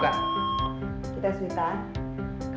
benar saya pengusaha pengusaha